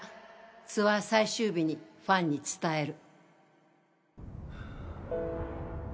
ツアー最終日にファンに伝える